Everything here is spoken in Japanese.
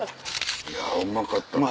いやうまかったこれ。